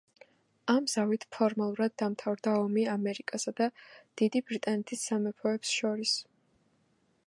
ამ ზავით ფორმალურად დამთავრდა ომი ამერიკასა და დიდი ბრიტანეთის სამეფოს შორის.